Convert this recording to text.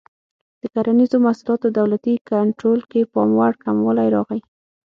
د کرنیزو محصولاتو دولتي کنټرول کې پاموړ کموالی راغی.